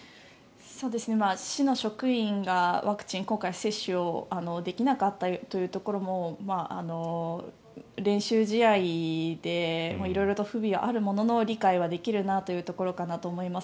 市の職員がワクチンを今回接種できなかったというところも練習試合で色々と不備はあるものの理解はできるところかなと思います。